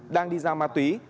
đang đi giao ma túy